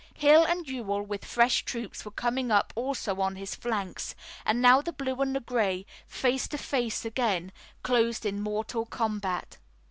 Hill and Ewell with fresh troops were coming up also on his flanks, and now the blue and the gray, face to face again, closed in mortal combat.